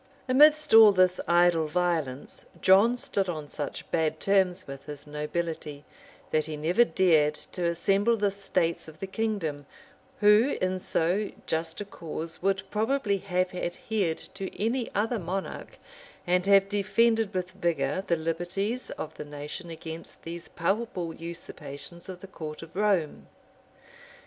] Amidst all this idle violence, John stood on such bad terms with his nobility, that he never dared to assemble the states of the kingdom, who, in so, just a cause, would probably have adhered to any other monarch, and have defended with vigor the liberties of the nation against these palpable usurpations of the court of Rome.